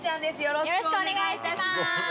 よろしくお願いします！